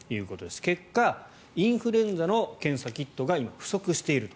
結果、インフルエンザの検査キットが今、不足していると。